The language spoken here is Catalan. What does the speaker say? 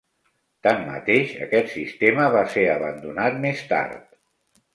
Tanmateix, aquest sistema va ser abandonat més tard.